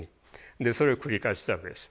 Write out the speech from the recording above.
でそれを繰り返ししたわけです。